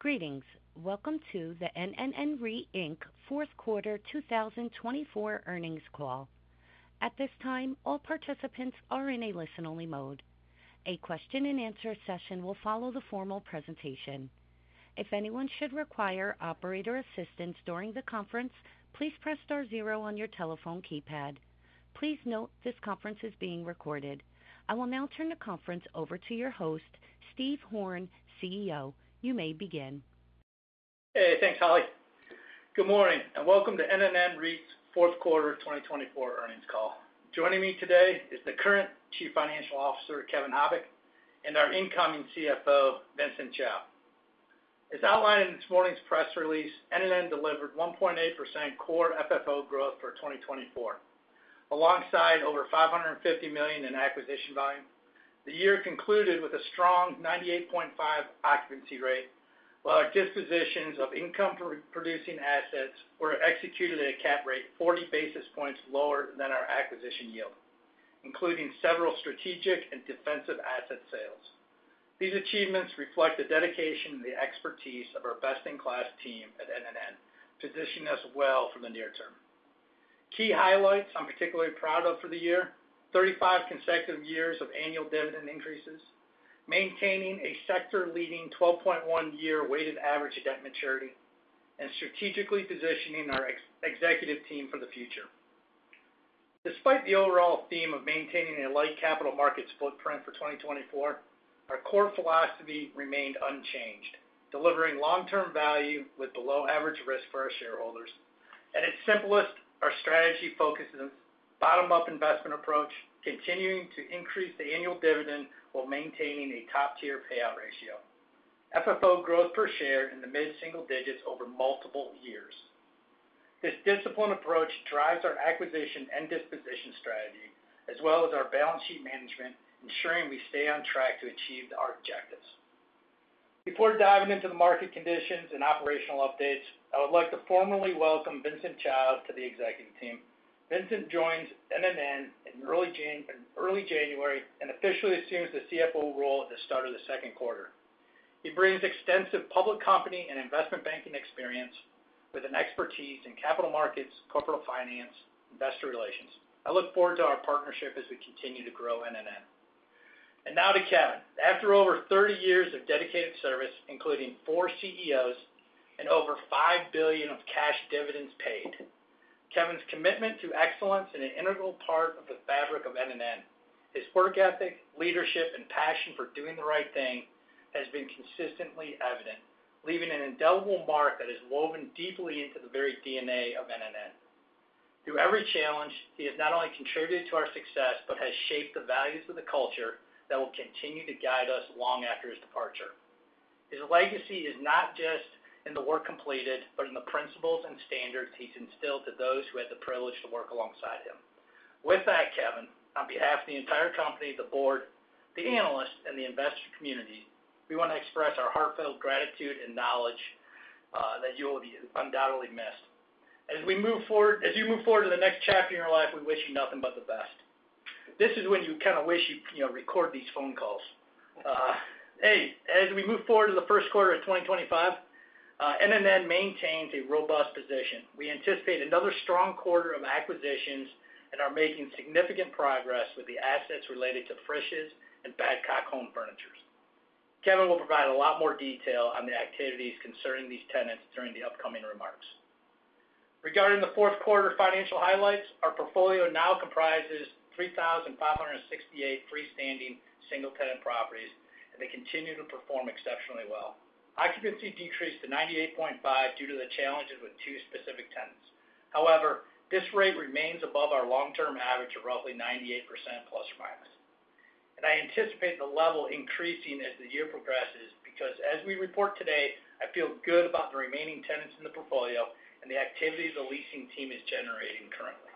Greetings. Welcome to the NNN REIT Inc. Fourth Quarter 2024 Earnings Call. At this time, all participants are in a listen-only mode. A question-and-answer session will follow the formal presentation. If anyone should require operator assistance during the conference, please press star zero on your telephone keypad. Please note this conference is being recorded. I will now turn the conference over to your host, Steve Horn, CEO. You may begin. Hey, thanks, Holly. Good morning and welcome to NNN REIT's Fourth Quarter 2024 Earnings Call. Joining me today is the current Chief Financial Officer, Kevin Habicht, and our incoming CFO, Vincent Chao. As outlined in this morning's press release, NNN delivered 1.8% core FFO growth for 2024, alongside over $550 million in acquisition volume. The year concluded with a strong 98.5% occupancy rate, while our dispositions of income-producing assets were executed at a cap rate 40 basis points lower than our acquisition yield, including several strategic and defensive asset sales. These achievements reflect the dedication and the expertise of our best-in-class team at NNN, positioning us well for the near term. Key highlights I'm particularly proud of for the year: 35 consecutive years of annual dividend increases, maintaining a sector-leading 12.1-year weighted average debt maturity, and strategically positioning our executive team for the future. Despite the overall theme of maintaining a light capital markets footprint for 2024, our core philosophy remained unchanged, delivering long-term value with below-average risk for our shareholders. At its simplest, our strategy focuses on a bottom-up investment approach, continuing to increase the annual dividend while maintaining a top-tier payout ratio. FFO growth per share in the mid-single digits over multiple years. This disciplined approach drives our acquisition and disposition strategy, as well as our balance sheet management, ensuring we stay on track to achieve our objectives. Before diving into the market conditions and operational updates, I would like to formally welcome Vincent Chao to the executive team. Vincent joins NNN in early January and officially assumes the CFO role at the start of the Q2. He brings extensive public company and investment banking experience with an expertise in capital markets, corporate finance, and investor relations. I look forward to our partnership as we continue to grow NNN. And now to Kevin. After over 30 years of dedicated service, including four CEOs and over $5 billion of cash dividends paid, Kevin's commitment to excellence is an integral part of the fabric of NNN. His work ethic, leadership, and passion for doing the right thing have been consistently evident, leaving an indelible mark that is woven deeply into the very DNA of NNN. Through every challenge, he has not only contributed to our success but has shaped the values of the culture that will continue to guide us long after his departure. His legacy is not just in the work completed, but in the principles and standards he's instilled to those who had the privilege to work alongside him. With that, Kevin, on behalf of the entire company, the board, the analysts, and the investor community, we want to express our heartfelt gratitude and knowledge that you will be undoubtedly missed. As we move forward, as you move forward to the next chapter in your life, we wish you nothing but the best. This is when you kind of wish you, you know, record these phone calls. Hey, as we move forward to the Q1 of 2025, NNN maintains a robust position. We anticipate another strong quarter of acquisitions and are making significant progress with the assets related to Frisch's and Badcock Home Furniture. Kevin will provide a lot more detail on the activities concerning these tenants during the upcoming remarks. Regarding the Q4 financial highlights, our portfolio now comprises 3,568 freestanding single-tenant properties, and they continue to perform exceptionally well. Occupancy decreased to 98.5% due to the challenges with two specific tenants. However, this rate remains above our long-term average of roughly 98% plus or minus, and I anticipate the level increasing as the year progresses because, as we report today, I feel good about the remaining tenants in the portfolio and the activities the leasing team is generating currently.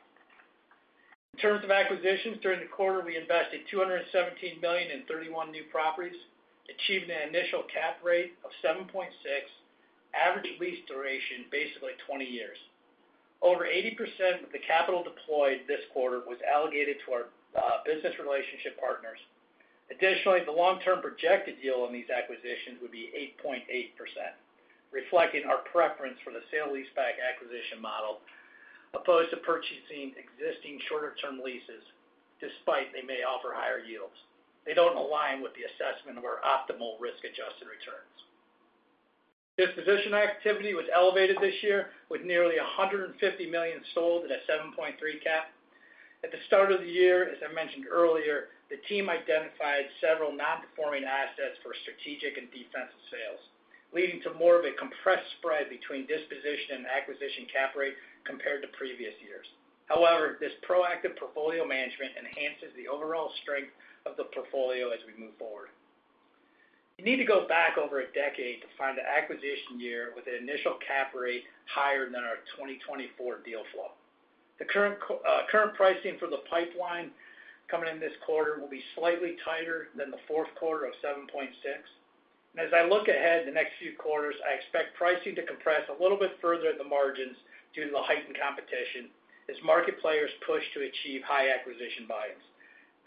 In terms of acquisitions during the quarter, we invested $217 million in 31 new properties, achieving an initial cap rate of 7.6%, average lease duration basically 20 years. Over 80% of the capital deployed this quarter was allocated to our business relationship partners. Additionally, the long-term projected yield on these acquisitions would be 8.8%, reflecting our preference for the sale-leaseback acquisition model opposed to purchasing existing shorter-term leases, despite they may offer higher yields. They don't align with the assessment of our optimal risk-adjusted returns. Disposition activity was elevated this year, with nearly $150 million sold at a 7.3% cap. At the start of the year, as I mentioned earlier, the team identified several non-performing assets for strategic and defensive sales, leading to more of a compressed spread between disposition and acquisition cap rate compared to previous years. However, this proactive portfolio management enhances the overall strength of the portfolio as we move forward. You need to go back over a decade to find an acquisition year with an initial cap rate higher than our 2024 deal flow. The current pricing for the pipeline coming in this quarter will be slightly tighter than the Q4 of 7.6%, and as I look ahead to the next few quarters, I expect pricing to compress a little bit further at the margins due to the heightened competition as market players push to achieve high acquisition volumes.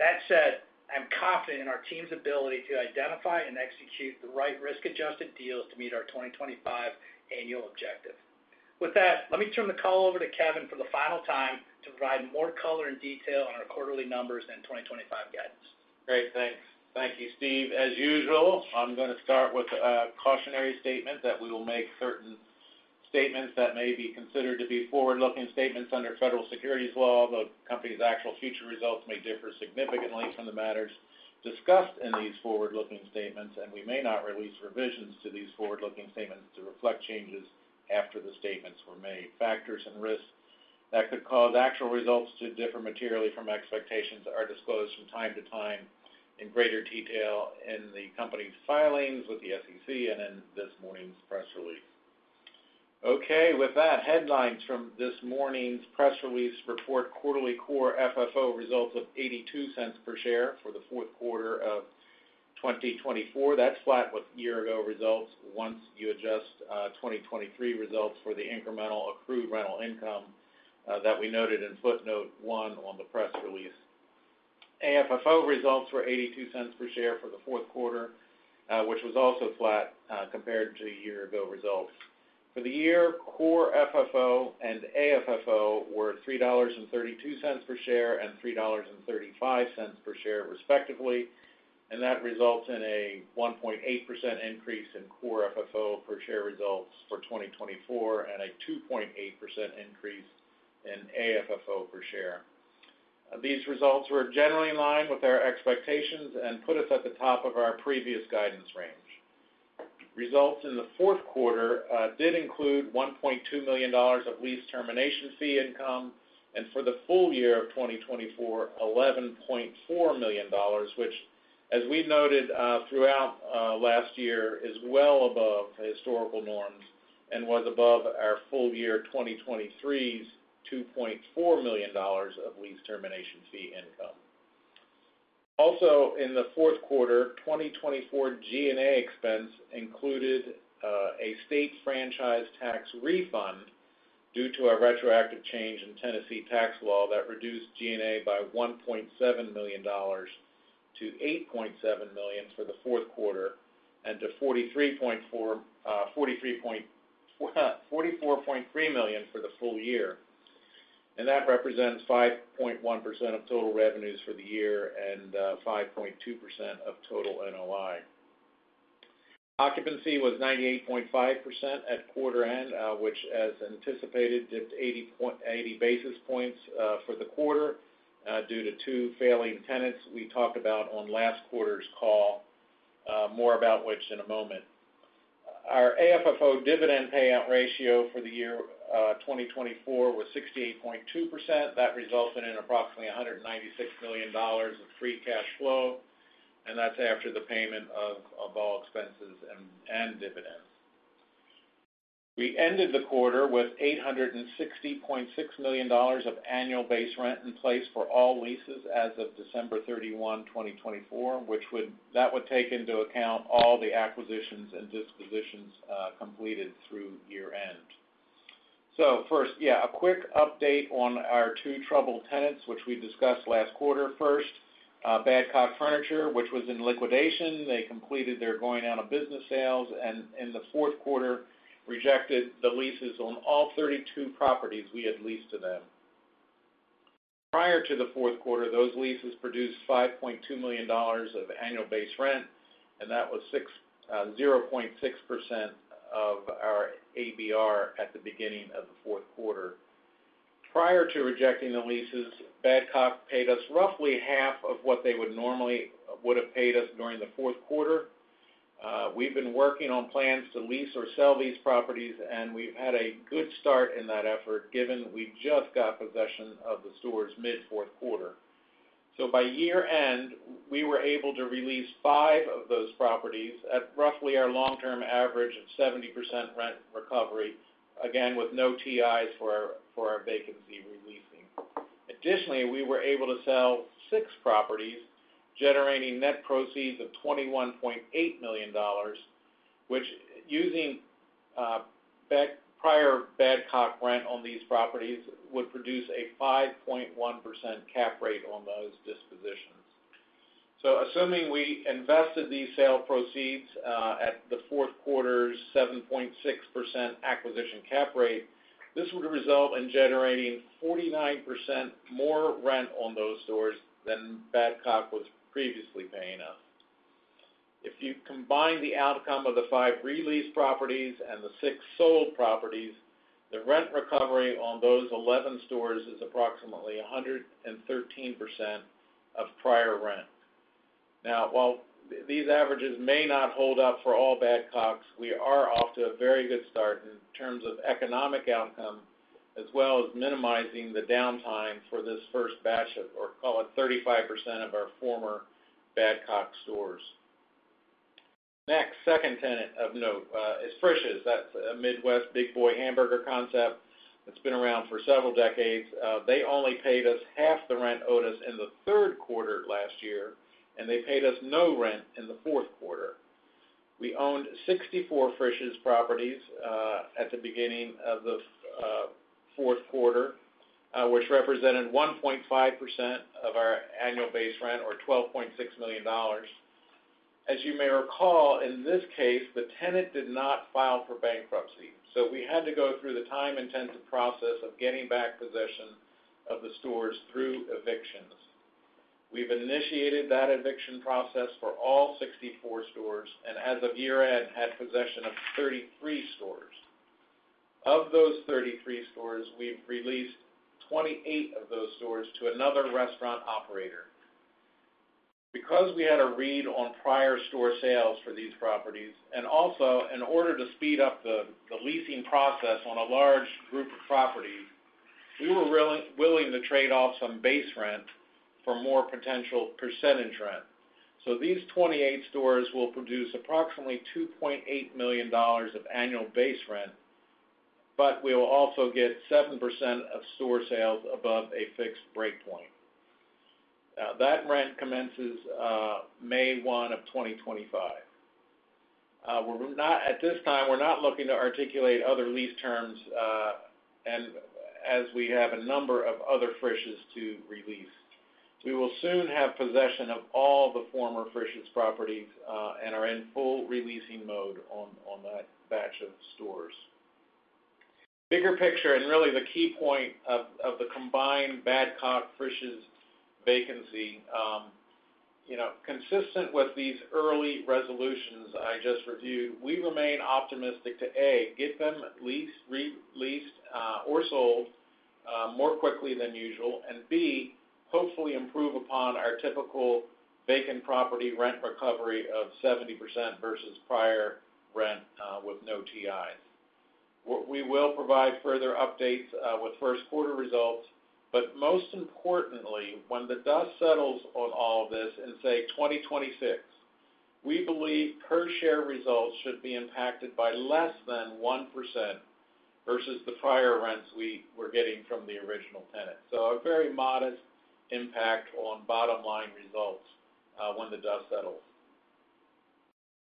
That said, I'm confident in our team's ability to identify and execute the right risk-adjusted deals to meet our 2025 annual objective. With that, let me turn the call over to Kevin for the final time to provide more color and detail on our quarterly numbers and 2025 guidance. Great. Thanks. Thank you, Steve. As usual, I'm going to start with a cautionary statement that we will make certain statements that may be considered to be forward-looking statements under federal securities law, although the company's actual future results may differ significantly from the matters discussed in these forward-looking statements, and we may not release revisions to these forward-looking statements to reflect changes after the statements were made. Factors and risks that could cause actual results to differ materially from expectations are disclosed from time to time in greater detail in the company's filings with the SEC and in this morning's press release. Okay. With that, headlines from this morning's press release report: quarterly core FFO results of $0.82 per share for the Q4 of 2024. That's flat with year-ago results once you adjust 2023 results for the incremental accrued rental income that we noted in footnote one on the press release. AFFO results were $0.82 per share for the Q4, which was also flat compared to year-ago results. For the year, core FFO and AFFO were $3.32 per share and $3.35 per share, respectively, and that results in a 1.8% increase in core FFO per share results for 2024 and a 2.8% increase in AFFO per share. These results were generally in line with our expectations and put us at the top of our previous guidance range. Results in the Q4 did include $1.2 million of lease termination fee income and for the full year of 2024, $11.4 million, which, as we noted throughout last year, is well above historical norms and was above our full year 2023's $2.4 million of lease termination fee income. Also, in the Q4, 2024 G&A expense included a state franchise tax refund due to a retroactive change in Tennessee tax law that reduced G&A by $1.7 million to $8.7 million for the Q4 and to $43.3 million for the full year. And that represents 5.1% of total revenues for the year and 5.2% of total NOI. Occupancy was 98.5% at quarter end, which, as anticipated, dipped 80 basis points for the quarter due to two failing tenants we talked about on last quarter's call, more about which in a moment. Our AFFO dividend payout ratio for the year 2024 was 68.2%. That resulted in approximately $196 million of free cash flow, and that's after the payment of all expenses and dividends. We ended the quarter with $860.6 million of annual base rent in place for all leases as of December 31, 2024, which would take into account all the acquisitions and dispositions completed through year-end. So first, yeah, a quick update on our two troubled tenants, which we discussed last quarter. First, Badcock Furniture, which was in liquidation. They completed their going-out-of-business sales, and in the Q4, rejected the leases on all 32 properties we had leased to them. Prior to the Q4, those leases produced $5.2 million of annual base rent, and that was 0.6% of our ABR at the beginning of the Q4. Prior to rejecting the leases, Badcock paid us roughly half of what they would normally have paid us during the Q4. We've been working on plans to lease or sell these properties, and we've had a good start in that effort, given we just got possession of the stores mid-Q4. So by year-end, we were able to release five of those properties at roughly our long-term average of 70% rent recovery, again with no TIs for our vacancy releasing. Additionally, we were able to sell six properties, generating net proceeds of $21.8 million, which, using prior Badcock rent on these properties, would produce a 5.1% cap rate on those dispositions. So assuming we invested these sale proceeds at the Q4's 7.6% acquisition cap rate, this would result in generating 49% more rent on those stores than Badcock was previously paying us. If you combine the outcome of the five re-leased properties and the six sold properties, the rent recovery on those 11 stores is approximately 113% of prior rent. Now, while these averages may not hold up for all Badcocks, we are off to a very good start in terms of economic outcome, as well as minimizing the downtime for this first batch of, or call it, 35% of our former Badcock stores. Next, second tenant of note is Frisch's. That's a Midwest Big Boy hamburger concept that's been around for several decades. They only paid us half the rent owed us in the Q3 last year, and they paid us no rent in the Q4. We owned 64 Frisch's properties at the beginning of the Q4, which represented 1.5% of our annual base rent, or $12.6 million. As you may recall, in this case, the tenant did not file for bankruptcy, so we had to go through the time-intensive process of getting back possession of the stores through evictions. We've initiated that eviction process for all 64 stores and, as of year-end, had possession of 33 stores. Of those 33 stores, we've released 28 of those stores to another restaurant operator. Because we had a read on prior store sales for these properties, and also in order to speed up the leasing process on a large group of properties, we were willing to trade off some base rent for more potential percentage rent. So these 28 stores will produce approximately $2.8 million of annual base rent, but we will also get 7% of store sales above a fixed breakpoint. That rent commences May 1 of 2025. At this time, we're not looking to articulate other lease terms, and as we have a number of other Frisch's to release, we will soon have possession of all the former Frisch's properties and are in full releasing mode on that batch of stores. Bigger picture, and really the key point of the combined Badcock, Frisch's vacancy, you know, consistent with these early resolutions I just reviewed, we remain optimistic to, A, get them leased, re-leased, or sold more quickly than usual, and B, hopefully improve upon our typical vacant property rent recovery of 70% versus prior rent with no TIs. We will provide further updates with Q1 results, but most importantly, when the dust settles on all of this in, say, 2026, we believe per share results should be impacted by less than 1% versus the prior rents we were getting from the original tenant. So a very modest impact on bottom-line results when the dust settles.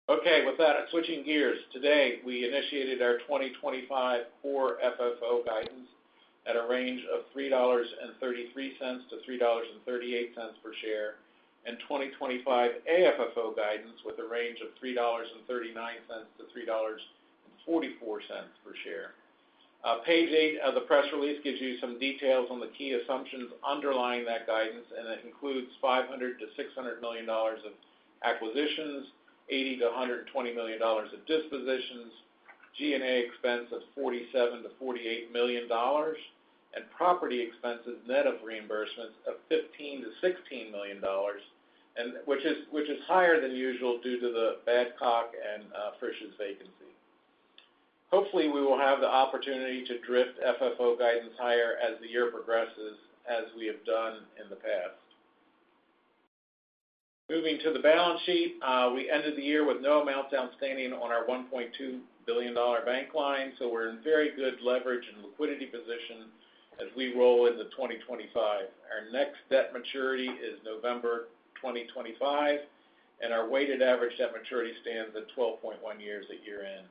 Okay. With that, switching gears, today we initiated our 2025 core FFO guidance at a range of $3.33-$3.38 per share, and 2025 AFFO guidance with a range of $3.39-$3.44 per share. Page eight of the press release gives you some details on the key assumptions underlying that guidance, and it includes $500-$600 million of acquisitions, $80-$120 million of dispositions, G&A expense of $47-$48 million, and property expenses net of reimbursements of $15-$16 million, which is higher than usual due to the Badcock and Frisch's vacancy. Hopefully, we will have the opportunity to drift FFO guidance higher as the year progresses, as we have done in the past. Moving to the balance sheet, we ended the year with no amounts outstanding on our $1.2 billion bank line, so we're in very good leverage and liquidity position as we roll into 2025. Our next debt maturity is November 2025, and our weighted average debt maturity stands at 12.1 years at year-end.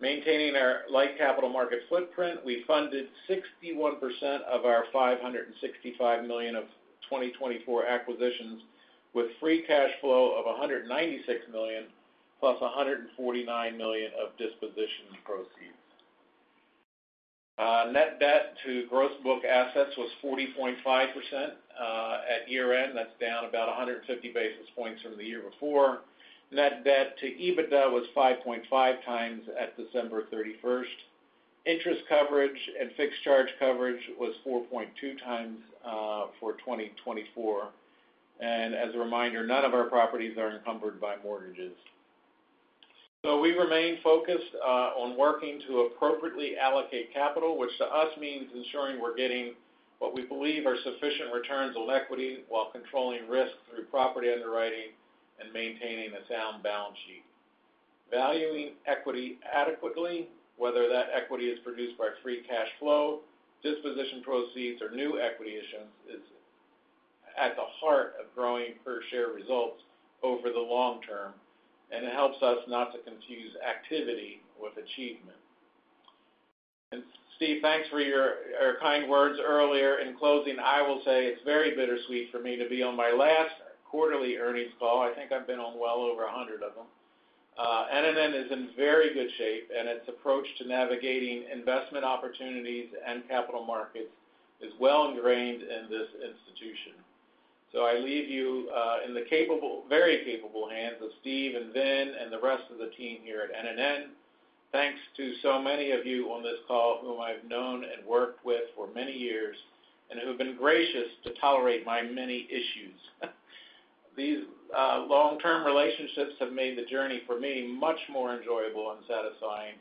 Maintaining our light capital market footprint, we funded 61% of our $565 million of 2024 acquisitions with free cash flow of $196 million plus $149 million of disposition proceeds. Net debt to gross book assets was 40.5% at year-end. That's down about 150 basis points from the year before. Net debt to EBITDA was 5.5 times at December 31st. Interest coverage and fixed charge coverage was 4.2 times for 2024, and as a reminder, none of our properties are encumbered by mortgages. So we remain focused on working to appropriately allocate capital, which to us means ensuring we're getting what we believe are sufficient returns on equity while controlling risk through property underwriting and maintaining a sound balance sheet. Valuing equity adequately, whether that equity is produced by free cash flow, disposition proceeds, or new equity issuance, is at the heart of growing per share results over the long term, and it helps us not to confuse activity with achievement. And Steve, thanks for your kind words earlier. In closing, I will say it's very bittersweet for me to be on my last quarterly earnings call. I think I've been on well over 100 of them. NNN is in very good shape, and its approach to navigating investment opportunities and capital markets is well ingrained in this institution. So I leave you in the capable, very capable hands of Steve and Vin and the rest of the team here at NNN. Thanks to so many of you on this call whom I've known and worked with for many years and who have been gracious to tolerate my many issues. These long-term relationships have made the journey for me much more enjoyable and satisfying.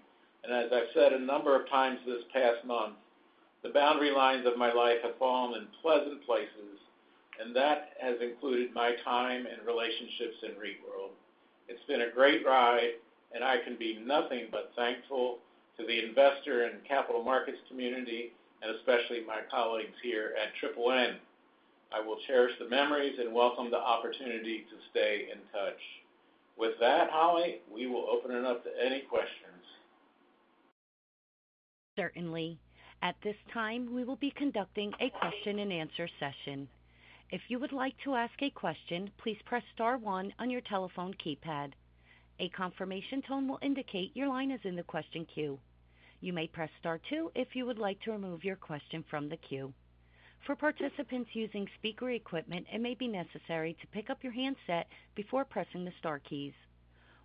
And as I've said a number of times this past month, the boundary lines of my life have fallen in pleasant places, and that has included my time and relationships in REIT world. It's been a great ride, and I can be nothing but thankful to the investor and capital markets community, and especially my colleagues here at NNN. I will cherish the memories and welcome the opportunity to stay in touch. With that, Holly, we will open it up to any questions. Certainly. At this time, we will be conducting a question-and-answer session. If you would like to ask a question, please press Star 1 on your telephone keypad. A confirmation tone will indicate your line is in the question queue. You may press Star 2 if you would like to remove your question from the queue. For participants using speaker equipment, it may be necessary to pick up your handset before pressing the Star keys.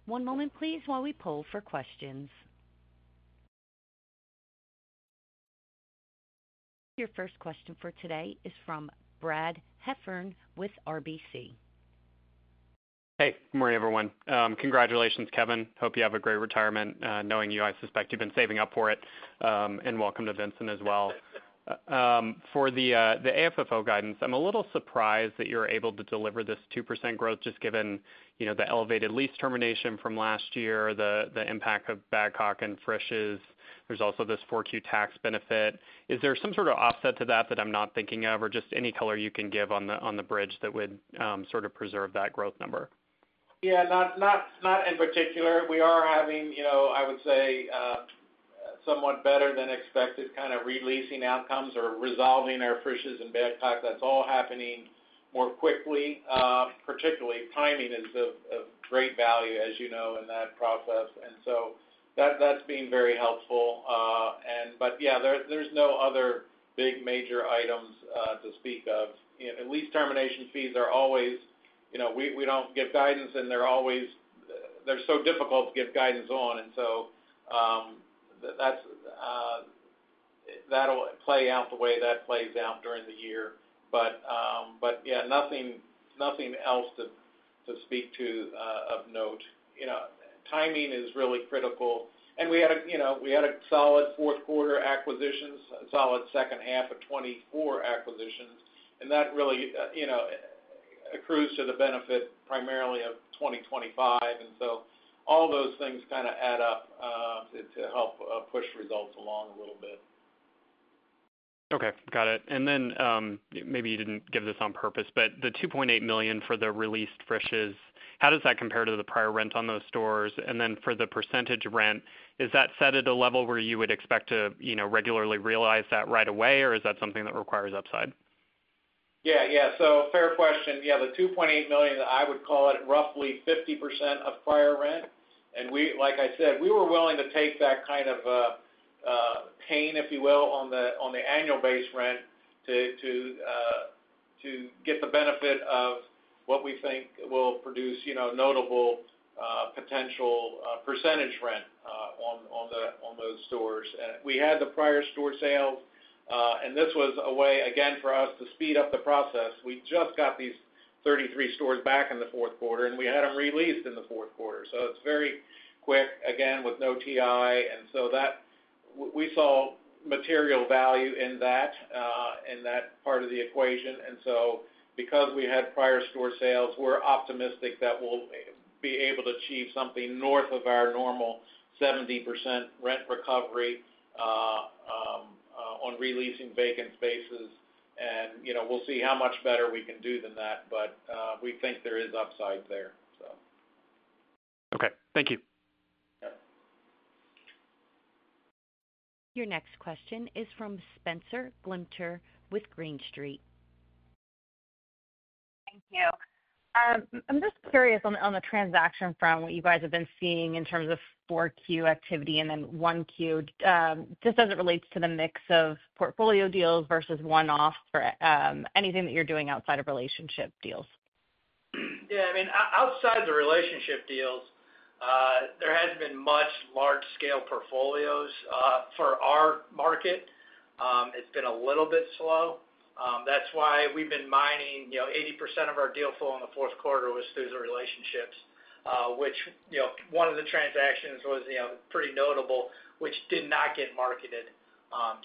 One moment, please, while we poll for questions. Your first question for today is from Brad Heffern with RBC. Hey, good morning, everyone. Congratulations, Kevin. Hope you have a great retirement. Knowing you, I suspect you've been saving up for it, and welcome to Vincent as well. For the AFFO guidance, I'm a little surprised that you're able to deliver this 2% growth just given the elevated lease termination from last year, the impact of Badcock and Frisch's. There's also this 4Q tax benefit. Is there some sort of offset to that that I'm not thinking of, or just any color you can give on the bridge that would sort of preserve that growth number? Yeah, not in particular. We are having, I would say, somewhat better than expected kind of releasing outcomes or resolving our Frisch's and Badcock. That's all happening more quickly. Particularly, timing is of great value, as you know, in that process. And so that's been very helpful. But yeah, there's no other big major items to speak of. Lease termination fees are always we don't give guidance, and they're always they're so difficult to give guidance on, and so that'll play out the way that plays out during the year. But yeah, nothing else to speak to of note. Timing is really critical. And we had a solid Q4 acquisitions, a solid second half of 2024 acquisitions, and that really accrues to the benefit primarily of 2025. And so all those things kind of add up to help push results along a little bit. Okay. Got it. And then maybe you didn't give this on purpose, but the $2.8 million for the released Frisch's, how does that compare to the prior rent on those stores? And then for the percentage rent, is that set at a level where you would expect to regularly realize that right away, or is that something that requires upside? Yeah, yeah. So, fair question. Yeah, the $2.8 million, I would call it roughly 50% of prior rent. And like I said, we were willing to take that kind of pain, if you will, on the annual base rent to get the benefit of what we think will produce notable potential percentage rent on those stores. And we had the prior store sales, and this was a way, again, for us to speed up the process. We just got these 33 stores back in the Q4, and we had them released in the Q4. So it's very quick, again, with no TI. And so we saw material value in that part of the equation. And so because we had prior store sales, we're optimistic that we'll be able to achieve something north of our normal 70% rent recovery on releasing vacant spaces. We'll see how much better we can do than that, but we think there is upside there, so. Okay. Thank you. Your next question is from Spenser Allaway with Green Street. Thank you. I'm just curious on the transaction front, what you guys have been seeing in terms of 4Q activity and then 1Q, just as it relates to the mix of portfolio deals versus one-off, anything that you're doing outside of relationship deals. Yeah. I mean, outside the relationship deals, there hasn't been much large-scale portfolios for our market. It's been a little bit slow. That's why we've been mining 80% of our deal flow in the Q4 was through the relationships, which one of the transactions was pretty notable, which did not get marketed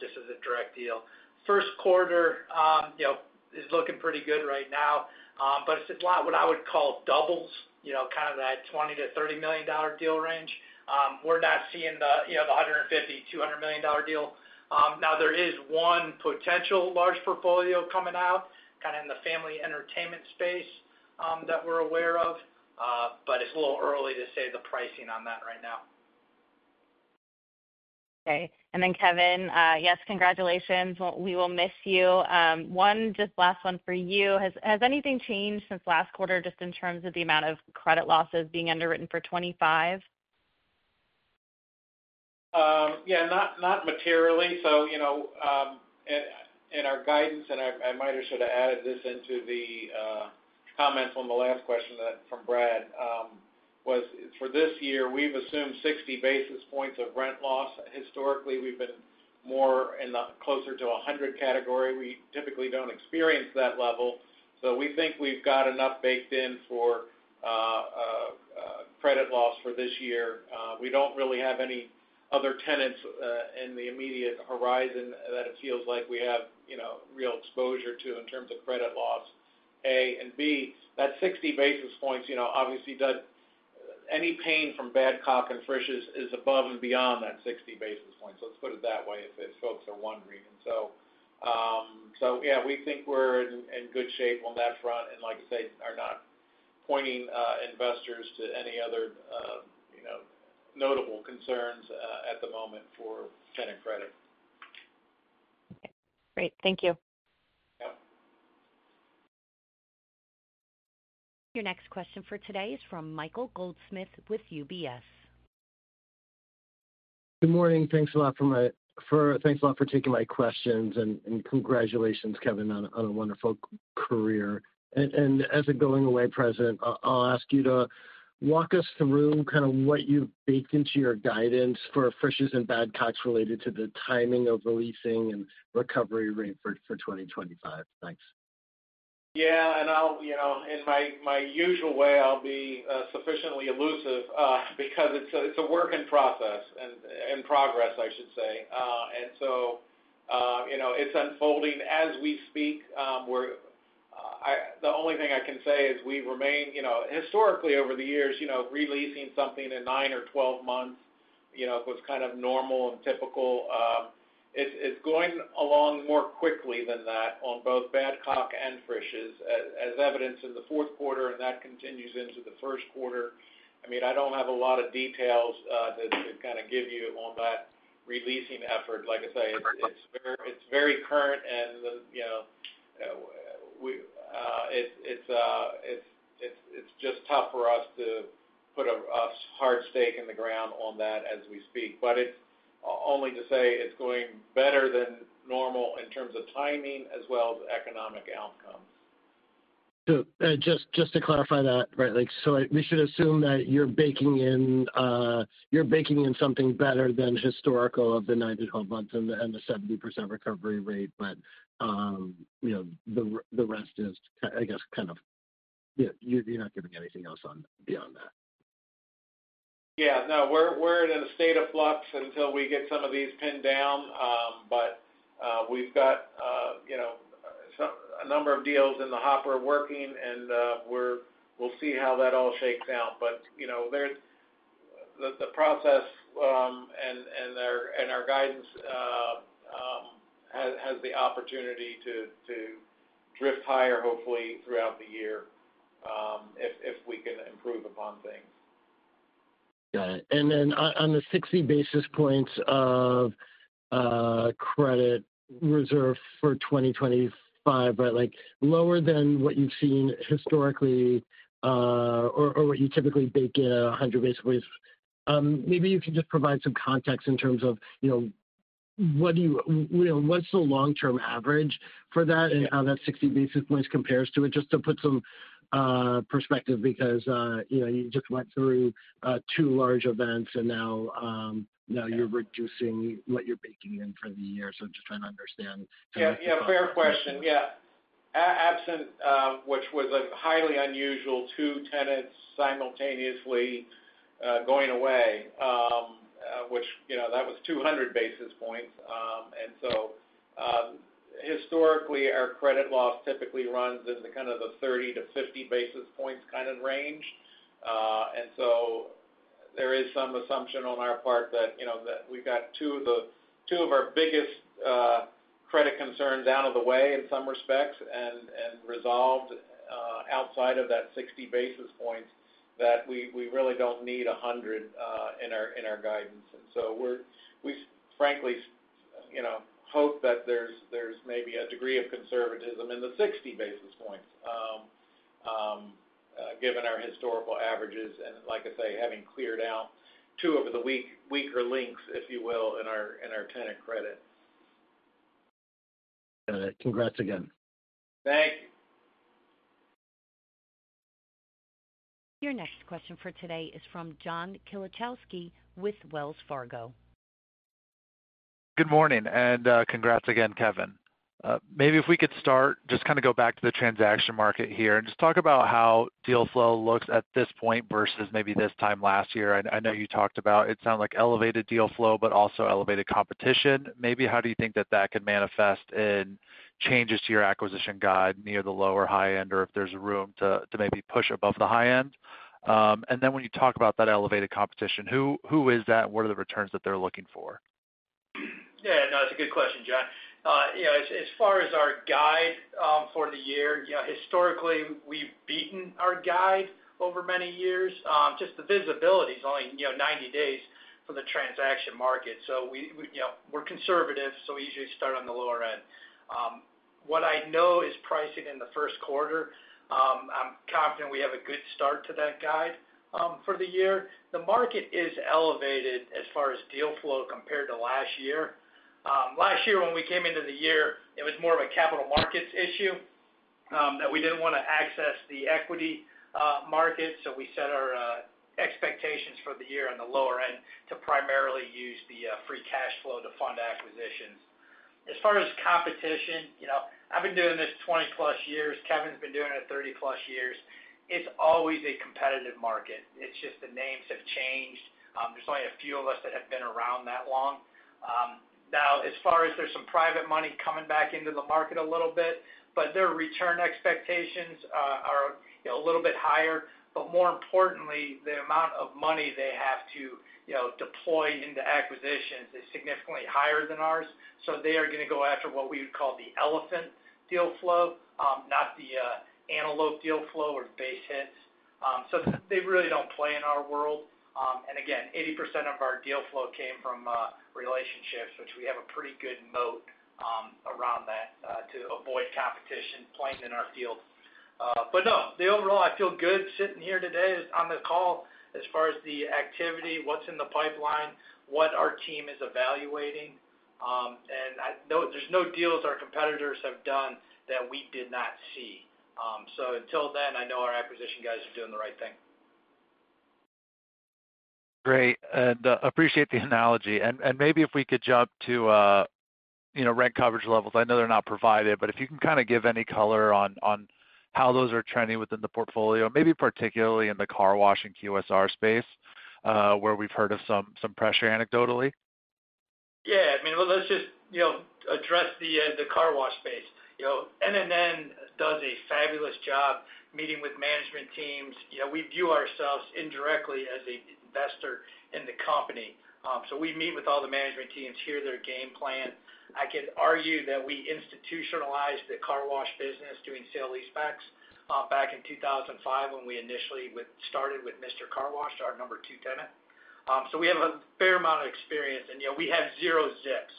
just as a direct deal. Q1 is looking pretty good right now, but it's what I would call doubles, kind of that $20-$30 million deal range. We're not seeing the $150-$200 million deal. Now, there is one potential large portfolio coming out, kind of in the family entertainment space that we're aware of, but it's a little early to say the pricing on that right now. Okay. And then, Kevin, yes, congratulations. We will miss you. One just last one for you. Has anything changed since last quarter just in terms of the amount of credit losses being underwritten for 2025? Yeah, not materially. So in our guidance, and I might have should have added this into the comments on the last question from Brad, was for this year, we've assumed 60 basis points of rent loss. Historically, we've been more in the closer to 100 category. We typically don't experience that level. So we think we've got enough baked in for credit loss for this year. We don't really have any other tenants in the immediate horizon that it feels like we have real exposure to in terms of credit loss. A, and B, that 60 basis points, obviously, any pain from Badcock and Frisch's is above and beyond that 60 basis points. Let's put it that way if folks are wondering. And so yeah, we think we're in good shape on that front and, like I said, are not pointing investors to any other notable concerns at the moment for tenant credit. Great. Thank you. Yep. Your next question for today is from Michael Goldsmith with UBS. Good morning. Thanks a lot for taking my questions, and congratulations, Kevin, on a wonderful career. As a going-away president, I'll ask you to walk us through kind of what you've baked into your guidance for Frisch's and Badcock's related to the timing of releasing and recovery rate for 2025. Thanks. Yeah. And in my usual way, I'll be sufficiently elusive because it's a work in process and progress, I should say. And so it's unfolding as we speak. The only thing I can say is we've remained, historically, over the years, releasing something in nine or 12 months was kind of normal and typical. It's going along more quickly than that on both Badcock and Frisch's, as evidenced in the Q4, and that continues into the Q1. I mean, I don't have a lot of details to kind of give you on that releasing effort. Like I say, it's very current, and it's just tough for us to put a hard stake in the ground on that as we speak. But it's only to say it's going better than normal in terms of timing as well as economic outcomes. So just to clarify that, right, so we should assume that you're baking in something better than historical of the 9-12 months and the 70% recovery rate, but the rest is, I guess, kind of you're not giving anything else beyond that. Yeah. No, we're in a state of flux until we get some of these pinned down, but we've got a number of deals in the hopper working, and we'll see how that all shakes out. But the process and our guidance has the opportunity to drift higher, hopefully, throughout the year if we can improve upon things. Got it. And then on the 60 basis points of credit reserve for 2025, right, lower than what you've seen historically or what you typically bake in at 100 basis points, maybe you can just provide some context in terms of what's the long-term average for that and how that 60 basis points compares to it, just to put some perspective because you just went through two large events, and now you're reducing what you're baking in for the year. So I'm just trying to understand. Yeah. Fair question. Yeah. Absent, which was a highly unusual two tenants simultaneously going away, which that was 200 basis points. And so historically, our credit loss typically runs in kind of the 30 to 50 basis points kind of range. And so there is some assumption on our part that we've got two of our biggest credit concerns out of the way in some respects and resolved outside of that 60 basis points that we really don't need 100 in our guidance. And so we, frankly, hope that there's maybe a degree of conservatism in the 60 basis points given our historical averages and, like I say, having cleared out two of the weaker links, if you will, in our tenant credit. Got it. Congrats again. Thank you. Your next question for today is from John Kilichowski with Wells Fargo. Good morning, and congrats again, Kevin. Maybe if we could start, just kind of go back to the transaction market here and just talk about how deal flow looks at this point versus maybe this time last year. I know you talked about it sounded like elevated deal flow, but also elevated competition. Maybe how do you think that that can manifest in changes to your acquisition guide near the low or high end, or if there's room to maybe push above the high end? And then when you talk about that elevated competition, who is that, and what are the returns that they're looking for? Yeah. No, that's a good question, John. As far as our guide for the year, historically, we've beaten our guide over many years. Just the visibility is only 90 days for the transaction market. So we're conservative, so we usually start on the lower end. What I know is pricing in the Q1, I'm confident we have a good start to that guide for the year. The market is elevated as far as deal flow compared to last year. Last year, when we came into the year, it was more of a capital markets issue that we didn't want to access the equity market. So we set our expectations for the year on the lower end to primarily use the free cash flow to fund acquisitions. As far as competition, I've been doing this 20-plus years. Kevin's been doing it 30-plus years. It's always a competitive market. It's just the names have changed. There's only a few of us that have been around that long. Now, as far as there's some private money coming back into the market a little bit, but their return expectations are a little bit higher. But more importantly, the amount of money they have to deploy into acquisitions is significantly higher than ours. So they are going to go after what we would call the elephant deal flow, not the antelope deal flow or base hits. So they really don't play in our world. And again, 80% of our deal flow came from relationships, which we have a pretty good moat around that to avoid competition playing in our field. But no, overall, I feel good sitting here today on the call as far as the activity, what's in the pipeline, what our team is evaluating. And there's no deals our competitors have done that we did not see. So until then, I know our acquisition guys are doing the right thing. Great. And appreciate the analogy. And maybe if we could jump to rent coverage levels. I know they're not provided, but if you can kind of give any color on how those are trending within the portfolio, maybe particularly in the car wash and QSR space where we've heard of some pressure anecdotally. Yeah. I mean, well, let's just address the car wash space. NNN does a fabulous job meeting with management teams. We view ourselves indirectly as an investor in the company. So we meet with all the management teams, hear their game plan. I can argue that we institutionalized the car wash business doing sale-leasebacks back in 2005 when we initially started with Mister Car Wash, our number two tenant. So we have a fair amount of experience, and we have zero ZIPS.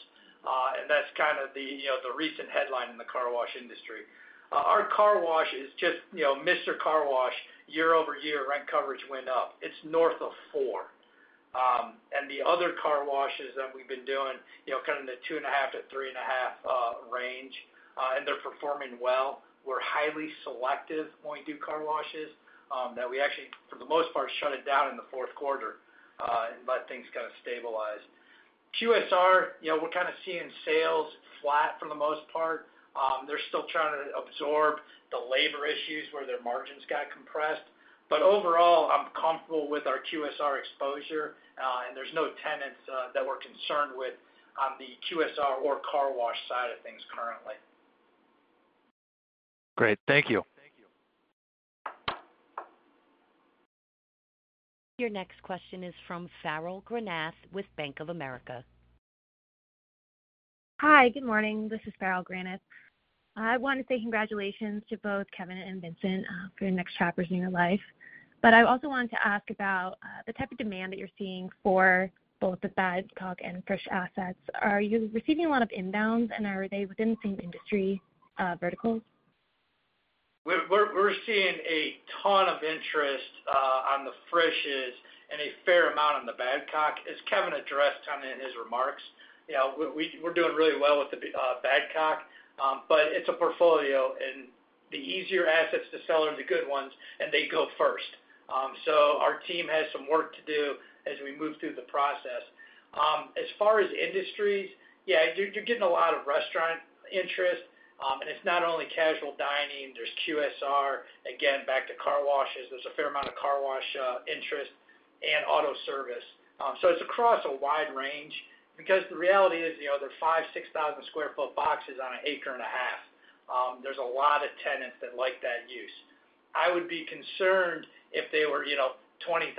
And that's kind of the recent headline in the car wash industry. Our car wash is just Mr. wash, year-over-year, rent coverage went up. It's north of four. And the other car washes that we've been doing, kind of in the two-and-a-half to three-and-a-half range, and they're performing well. We're highly selective when we do car washes, that we actually, for the most part, shut it down in the Q4 and let things kind of stabilize. QSR, we're kind of seeing sales flat for the most part. They're still trying to absorb the labor issues where their margins got compressed. But overall, I'm comfortable with our QSR exposure, and there's no tenants that we're concerned with on the QSR or car wash side of things currently. Great. Thank you. Your next question is from Farrell Granath with Bank of America. Hi. Good morning. This is Farrell Granath. I want to say congratulations to both Kevin and Vincent for your next chapters in your life. But I also wanted to ask about the type of demand that you're seeing for both the Badcock and Frisch's assets. Are you receiving a lot of inbounds, and are they within the same industry verticals? We're seeing a ton of interest on the Frisch's and a fair amount on the Badcock, as Kevin addressed kind of in his remarks. We're doing really well with the Badcock, but it's a portfolio, and the easier assets to sell are the good ones, and they go first. So our team has some work to do as we move through the process. As far as industries, yeah, you're getting a lot of restaurant interest, and it's not only casual dining. There's QSR, again, back to car washes. There's a fair amount of car wash interest and auto service. So it's across a wide range because the reality is there are 5,000-6,000 sq ft boxes on an acre and a half. There's a lot of tenants that like that use. I would be concerned if they were 20,000-30,000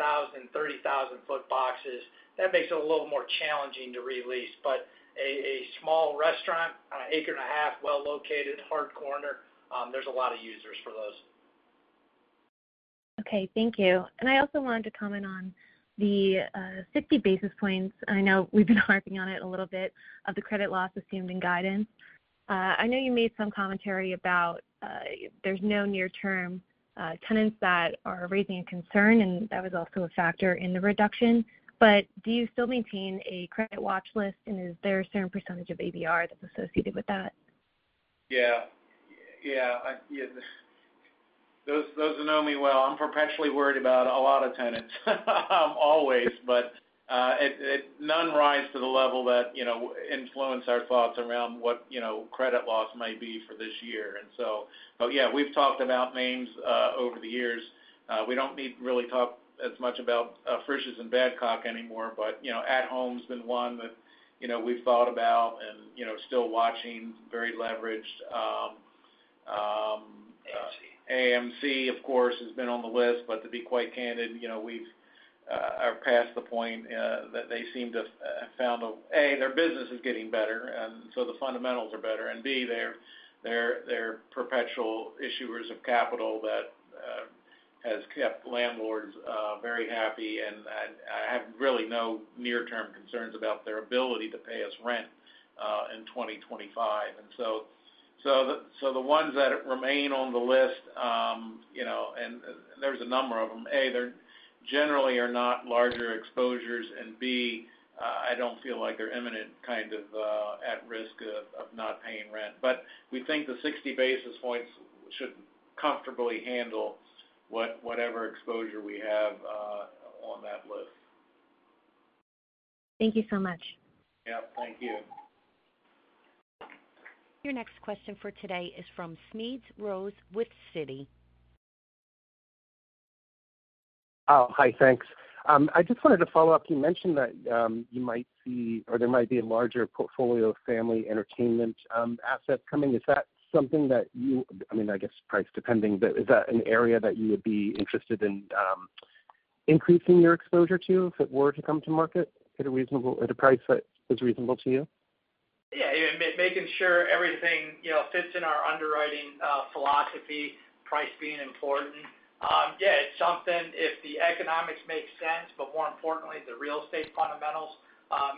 ft boxes. That makes it a little more challenging to release. But a small restaurant on an acre and a half, well-located, hard corner, there's a lot of users for those. Okay. Thank you, and I also wanted to comment on the 60 basis points. I know we've been harping on it a little bit of the credit loss assumed in guidance. I know you made some commentary about there's no near-term tenants that are raising a concern, and that was also a factor in the reduction. But do you still maintain a credit watch list, and is there a certain percentage of ABR that's associated with that? Yeah. Yeah. Those who know me well, I'm perpetually worried about a lot of tenants, always, but none rise to the level that influence our thoughts around what credit loss might be for this year. And so, yeah, we've talked about names over the years. We don't need to really talk as much about Frisch's and Badcock anymore, but At Home's been one that we've thought about and still watching, very leveraged. AMC, of course, has been on the list, but to be quite candid, we've passed the point that they seem to have found. A, their business is getting better, and so the fundamentals are better, and B, they're perpetual issuers of capital that has kept landlords very happy, and I have really no near-term concerns about their ability to pay us rent in 2025. And so the ones that remain on the list, and there's a number of them. A, they generally are not larger exposures, and B, I don't feel like they're imminent kind of at risk of not paying rent. But we think the 60 basis points should comfortably handle whatever exposure we have on that list. Thank you so much. Yep. Thank you. Your next question for today is from Smedes Rose with Citi. Oh, hi. Thanks. I just wanted to follow up. You mentioned that you might see or there might be a larger portfolio of family entertainment assets coming. Is that something that you—I mean, I guess price-depending—but is that an area that you would be interested in increasing your exposure to if it were to come to market at a price that is reasonable to you? Yeah. Making sure everything fits in our underwriting philosophy, price being important. Yeah. If the economics make sense, but more importantly, the real estate fundamentals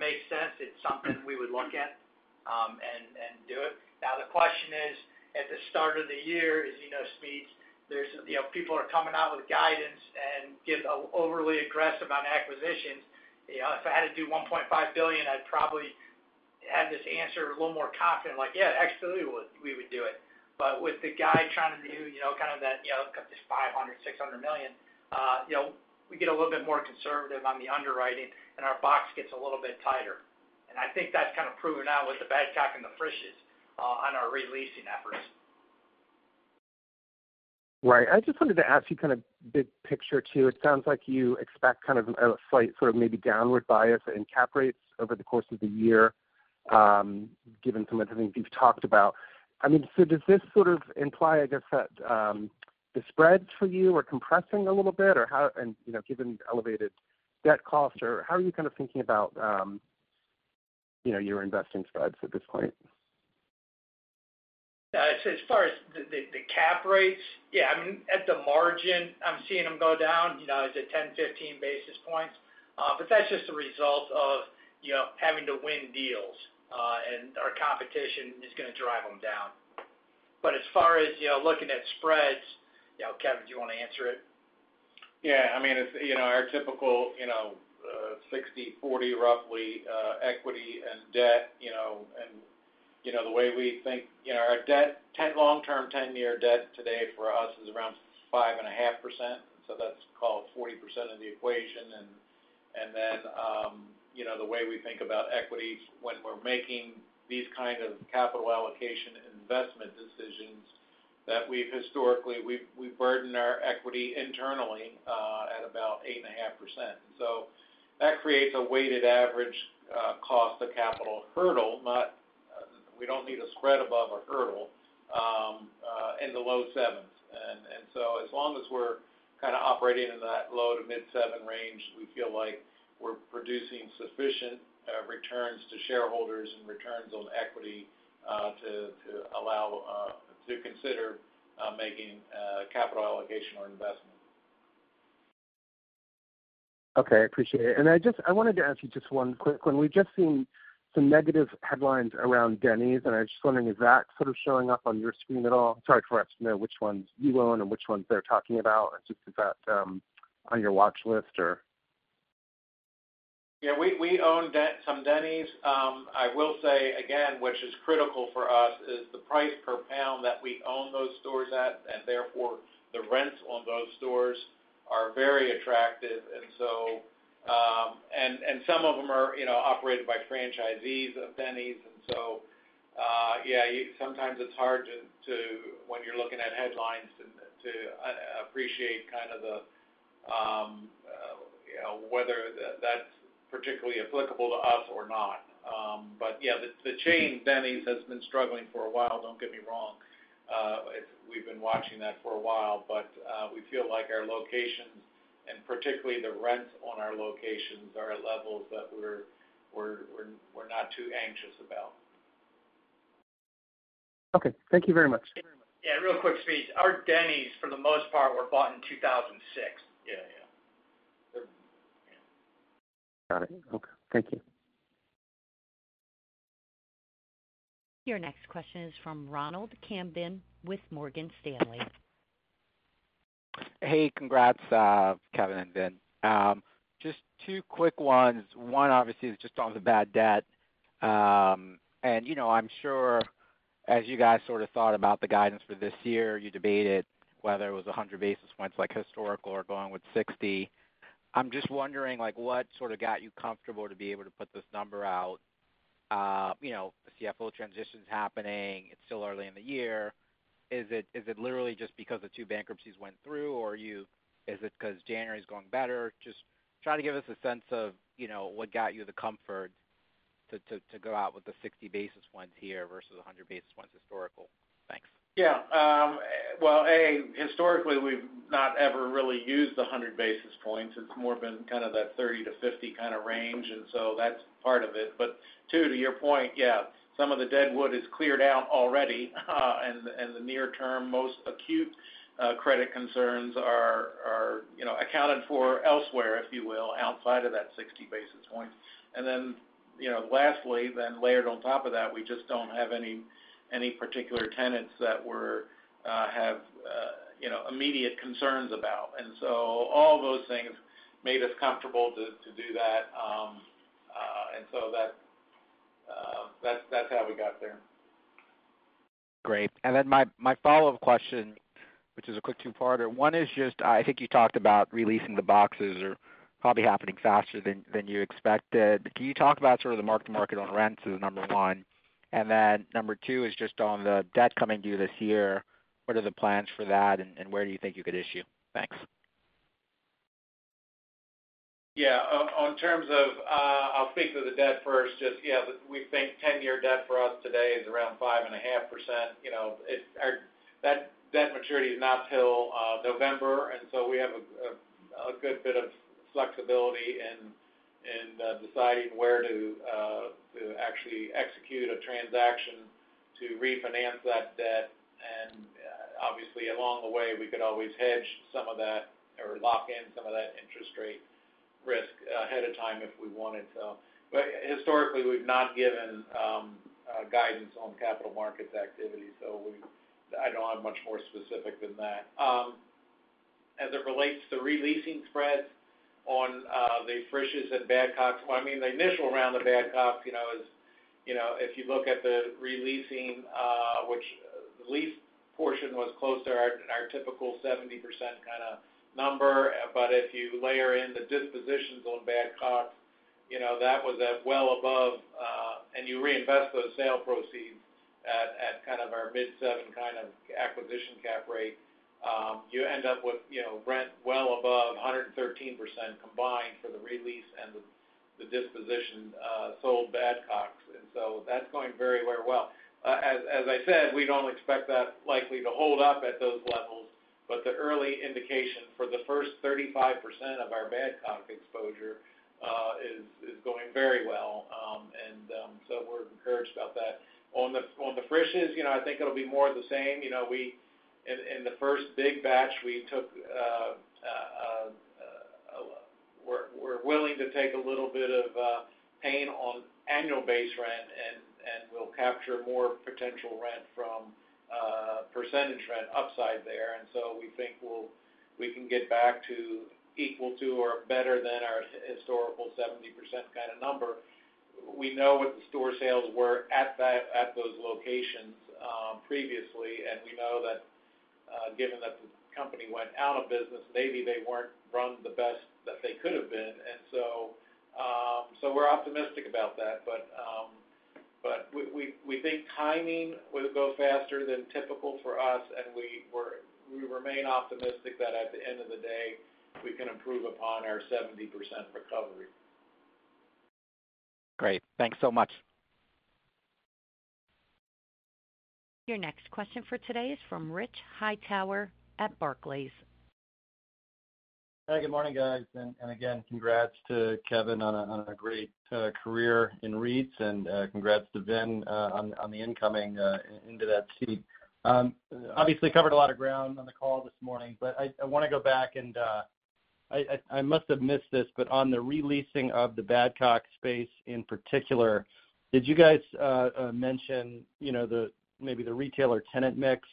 make sense, it's something we would look at and do it. Now, the question is, at the start of the year, as you know, Smedes, people are coming out with guidance and get overly aggressive on acquisitions. If I had to do $1.5 billion, I'd probably have this answer a little more confident, like, "Yeah, absolutely, we would do it." But with the guide trying to do kind of that, "It's $500 million-$600 million," we get a little bit more conservative on the underwriting, and our box gets a little bit tighter. And I think that's kind of proving out with the Badcock and the Frisch's on our releasing efforts. Right. I just wanted to ask you kind of big picture too. It sounds like you expect kind of a slight sort of maybe downward bias in cap rates over the course of the year, given some of the things you've talked about. I mean, so does this sort of imply, I guess, that the spreads for you are compressing a little bit? And given elevated debt costs, how are you kind of thinking about your investing spreads at this point? As far as the cap rates, yeah, I mean, at the margin, I'm seeing them go down. Is it 10-15 basis points? But that's just a result of having to win deals, and our competition is going to drive them down. But as far as looking at spreads, Kevin, do you want to answer it? Yeah. I mean, it's our typical 60/40, roughly, equity and debt. And the way we think our debt, long-term 10-year debt today for us is around 5.5%. So that's called 40% of the equation. And then the way we think about equity when we're making these kind of capital allocation investment decisions that we've historically—we've burdened our equity internally at about 8.5%. And so that creates a weighted average cost of capital hurdle. We don't need a spread above a hurdle in the low sevens. And so as long as we're kind of operating in that low to mid-seven range, we feel like we're producing sufficient returns to shareholders and returns on equity to allow to consider making capital allocation or investment. Okay. I appreciate it. And I wanted to ask you just one quick one. We've just seen some negative headlines around Denny's, and I was just wondering, is that sort of showing up on your screen at all? Sorry for asking which ones you own and which ones they're talking about. And just is that on your watch list, or? Yeah. We own some Denny's. I will say, again, which is critical for us, is the price per square foot that we own those stores at, and therefore the rents on those stores are very attractive. Some of them are operated by franchisees of Denny's. And so, yeah, sometimes it's hard when you're looking at headlines to appreciate kind of whether that's particularly applicable to us or not. But yeah, the chain Denny's has been struggling for a while, don't get me wrong. We've been watching that for a while, but we feel like our locations and particularly the rents on our locations are at levels that we're not too anxious about. Okay. Thank you very much. Yeah. Real quick, Smedes. Our Denny's, for the most part, were bought in 2006. Yeah. Yeah. Got it. Okay. Thank you. Your next question is from Ronald Kamdem with Morgan Stanley. Hey. Congrats, Kevin and Vin. Just two quick ones. One, obviously, is just on the bad debt. And I'm sure as you guys sort of thought about the guidance for this year, you debated whether it was 100 basis points like historical or going with 60. I'm just wondering what sort of got you comfortable to be able to put this number out. The CFO transition's happening. It's still early in the year. Is it literally just because the two bankruptcies went through, or is it because January's going better? Just try to give us a sense of what got you the comfort to go out with the 60 basis points here versus 100 basis points historical. Thanks. Yeah. Well, A, historically, we've not ever really used the 100 basis points. It's more been kind of that 30 to 50 kind of range, and so that's part of it. But two, to your point, yeah, some of the deadwood is cleared out already, and the near-term most acute credit concerns are accounted for elsewhere, if you will, outside of that 60 basis points. And then lastly, then layered on top of that, we just don't have any particular tenants that we have immediate concerns about. And so all those things made us comfortable to do that. And so that's how we got there. Great. And then my follow-up question, which is a quick two-parter. One is just I think you talked about releasing the boxes are probably happening faster than you expected. Can you talk about sort of the mark-to-market on rents as number one? And then number two is just on the debt coming due this year. What are the plans for that, and where do you think you could issue? Thanks. Yeah. In terms of, I'll speak to the debt first. Just, yeah, we think 10-year debt for us today is around 5.5%. That maturity is not till November, and so we have a good bit of flexibility in deciding where to actually execute a transaction to refinance that debt. And obviously, along the way, we could always hedge some of that or lock in some of that interest rate risk ahead of time if we wanted to. But historically, we've not given guidance on capital markets activity, so I don't have much more specific than that. As it relates to releasing spreads on the Frisch's and Badcock, well, I mean, the initial round of Badcock, if you look at the releasing, which the lease portion was close to our typical 70% kind of number, but if you layer in the dispositions on Badcock, that was well above. You reinvest those sale proceeds at kind of our mid-seven kind of acquisition cap rate. You end up with rent well above 113% combined for the release and the disposition sold Badcocks. So that's going very, very well. As I said, we don't expect that likely to hold up at those levels, but the early indication for the first 35% of our Badcock exposure is going very well. So we're encouraged about that. On the Frisch's, I think it'll be more of the same. In the first big batch, we took. We're willing to take a little bit of pain on annual base rent, and we'll capture more potential rent from percentage rent upside there. So we think we can get back to equal to or better than our historical 70% kind of number. We know what the store sales were at those locations previously, and we know that given that the company went out of business, maybe they weren't run the best that they could have been. And so we're optimistic about that. But we think timing will go faster than typical for us, and we remain optimistic that at the end of the day, we can improve upon our 70% recovery. Great. Thanks so much. Your next question for today is from Rich Hightower at Barclays. Hi. Good morning, guys. And again, congrats to Kevin on a great career in REITs, and congrats to Vin on the incoming into that seat. Obviously, covered a lot of ground on the call this morning, but I want to go back, and I must have missed this, but on the releasing of the Badcock space in particular, did you guys mention maybe the retailer-tenant mix